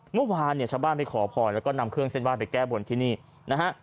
เมื่อวานเนี่ยชาวบ้านไปขอพรแล้วก็นำเครื่องเส้นไห้ไปแก้บนที่นี่นะฮะ